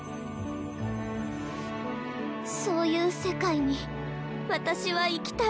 そういう世界に私は生きたい。